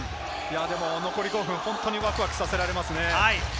残り５分、本当にワクワクさせられますね。